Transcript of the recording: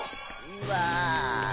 うわ。